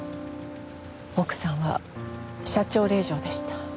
奥さんは社長令嬢でした。